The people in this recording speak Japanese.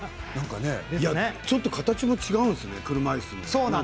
ちょっと形も違うんですね、車いすの。